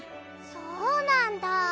そうなんだ。